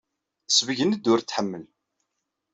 Tessebgen-d ur t-tḥemmel.